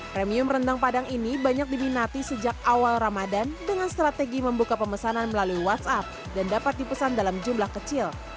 premium rendang padang ini banyak diminati sejak awal ramadan dengan strategi membuka pemesanan melalui whatsapp dan dapat dipesan dalam jumlah kecil